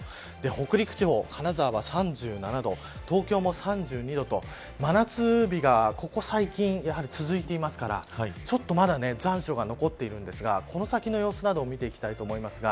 北陸地方、金沢は３７度東京も３２度と真夏日がここ最近、続いていますからちょっとまだ残暑が残っているんですがこの先の様子などを見ていきたいと思います。